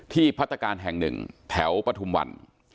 พัฒนาการแห่งหนึ่งแถวปฐุมวัน